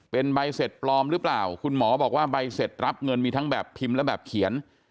เป็นใบเสร็จปลอมหรือเปล่าคุณหมอบอกว่าใบเสร็จรับเงินมีทั้งแบบพิมพ์และแบบเขียน